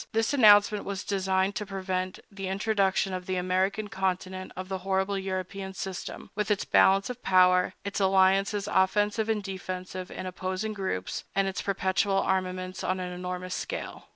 This announcement was designed to prevent the introduction on the American continent of the horrible European system—with its balance of power, its alliances offensive and defensive in opposing groups, and its perpetual armaments on an enormous scale.